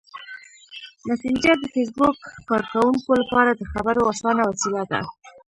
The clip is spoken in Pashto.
مسېنجر د فېسبوک کاروونکو لپاره د خبرو اسانه وسیله ده.